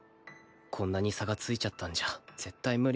こんなに差がついちゃったんじゃ絶対無理。